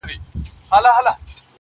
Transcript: • سپی مي دغه هدیره کي ښخومه..